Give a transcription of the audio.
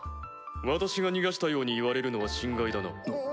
私が逃がしたように言われるのは心外だな。